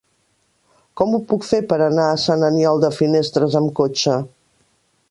Com ho puc fer per anar a Sant Aniol de Finestres amb cotxe?